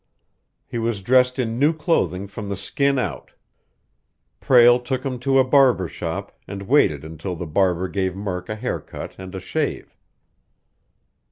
He was dressed in new clothing from the skin out. Prale took him to a barber shop, and waited until the barber gave Murk a hair cut and a shave.